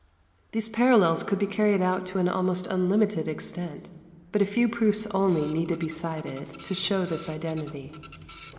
These parallels could be carried out to an almost unlimited extent; but a few proofs only need be cited to show this identity.